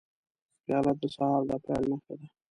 پیاله د سهار د پیل نښه ده.